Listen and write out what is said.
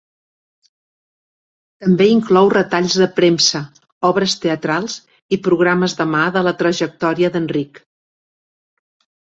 També inclou retalls de premsa, obres teatrals i programes de mà de la trajectòria d'Enric.